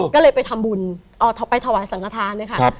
ก็เลยไปทำบุญไปถวายสังฆาธารนะค่ะ